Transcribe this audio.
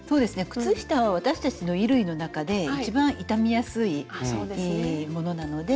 靴下は私たちの衣類の中で一番傷みやすいものなので。